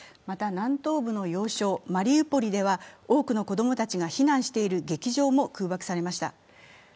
また南東部の要衝マリウポリでは多くの子供たちが避難している劇場も空爆されました。